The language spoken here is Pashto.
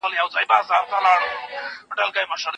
بهرنۍ پالیسي د نړیوال نظم خلاف نه ده.